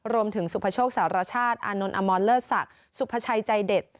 สุภโชคสารชาติอานนท์อมรเลิศศักดิ์สุภาชัยใจเด็ด